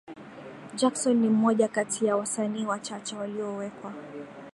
Jackson ni mmoja kati ya wasanii wachache waliowekwa